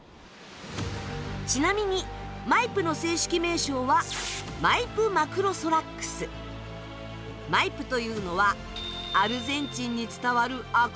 ちなみにマイプの正式名称はマイプというのはアルゼンチンに伝わる悪霊の名前。